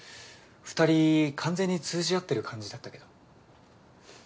２人完全に通じ合ってる感じだったけど。